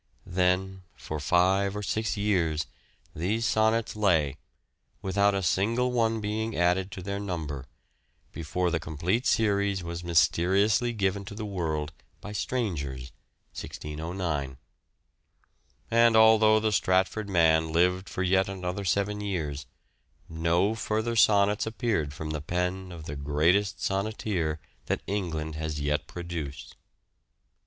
Then for five or six years these sonnets lay, without a single one being added to their number, before the complete series was mysteriously given to the world by strangers (1609). And, although the Stratford man lived for yet other seven years, no further sonnets appeared from the pen of the greatest sonneteer that England has yet produced.